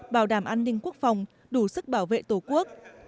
bảo đảm an ninh quốc phòng đủ sức bảo vệ tổ quốc